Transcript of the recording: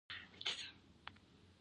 سوله د پرمختګ کیلي ده؟